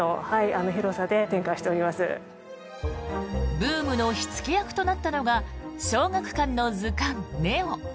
ブームの火付け役となったのが「小学館の図鑑ＮＥＯ」。